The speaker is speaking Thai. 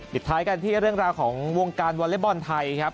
ท้ายกันที่เรื่องราวของวงการวอเล็กบอลไทยครับ